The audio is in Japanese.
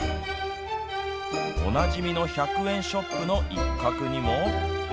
おなじみの１００円ショップの一角にも。